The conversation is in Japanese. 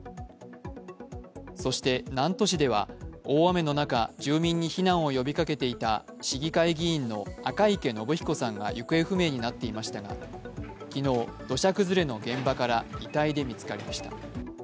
そして、南砺市では大雨の中、住民に避難を呼びかけていた市議会議員の赤池伸彦さんが行方不明になっていましたが昨日、土砂崩れの現場から遺体で見つかりました。